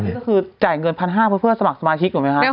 ก็คือจ่ายเงิน๑๕๐๐บาทเพื่อสมัครสมาชิกถูกไหมครับ